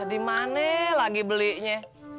di mana lagi belinya